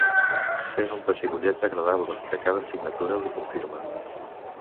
Sent un pessigolleig agradable que cada signatura li confirma.